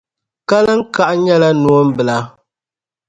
Kaliŋkaɣu nyɛla noon'bila.